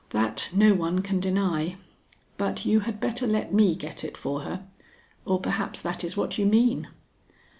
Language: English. That no one can deny. But you had better let me get it for her, or perhaps that is what you mean."